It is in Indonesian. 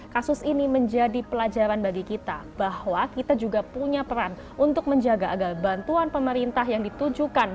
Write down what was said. kasus ini menjadi pelajaran bagi kita bahwa kita juga punya peran untuk menjaga agar bantuan pemerintah yang ditujukan